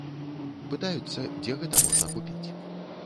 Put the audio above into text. Пытаюцца, дзе гэта можна купіць.